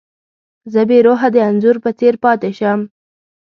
زه بې روحه د انځور په څېر پاتې شم.